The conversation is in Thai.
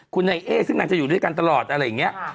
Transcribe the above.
คุณนักอาจริตห้ายซึ่งนางจะอยู่ด้วยกันตลอดอะไรอย่างนี้